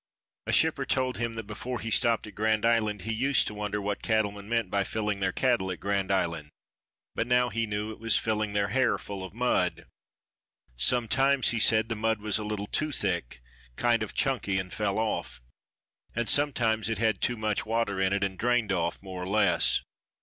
A shipper told him that before he stopped at Grand Island he used to wonder what cattlemen meant by filling their cattle at Grand Island, but now he knew it was filling their hair full of mud. Sometimes he said the mud was a little too thick, kind of chunky and fell off, and sometimes it had too much water in it and drained off, more or less.